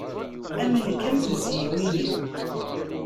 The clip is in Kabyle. Am nekk am tizyiwin-iw.